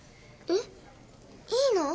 えっ？いいの？